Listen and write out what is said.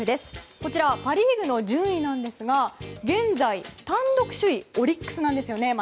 こちらはパ・リーグの順位なんですが現在、単独首位がオリックスなんですよね。